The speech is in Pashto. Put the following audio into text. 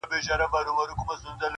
شیخ ویله میکدې ته ځه جواز دی,